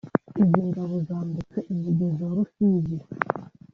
izi ngabo zambutse umugezi wa Rusizi